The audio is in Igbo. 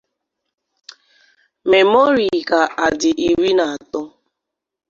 memọrị kaadị iri na atọ